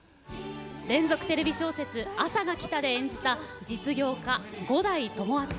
連続テレビ小説「あさが来た」で演じた実業家、五代友厚。